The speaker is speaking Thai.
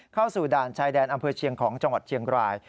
เข้าสู่ด่านชายแดนอำเภอเชียงของจังหวัดเชียงราย